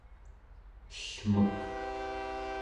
ellmek